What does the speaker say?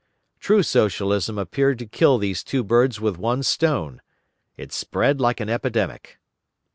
"True" Socialism appeared to kill these two birds with one stone. It spread like an epidemic.